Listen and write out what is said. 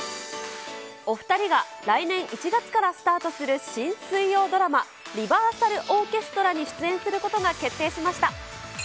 お２人が来年１月からスタートする新水曜ドラマ、リバーサルオーケストラに出演することが決定しました。